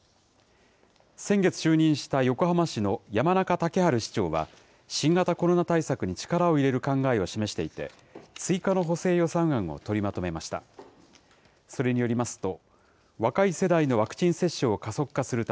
先月就任した横浜市の山中竹春市長は、新型コロナ対策に力を入れる考えを示していて、追加の補正予算案を取りまとめました。